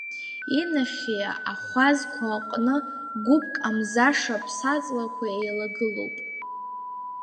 Инахьхьи ахәазқәа аҟны гәыԥк амзаша ԥсаҵлақәа еилагылоуп.